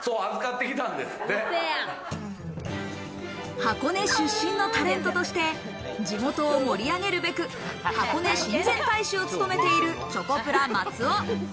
箱根出身のタレントとして地元を盛り上げるべく、はこね親善大使を務めているチョコプラ松尾。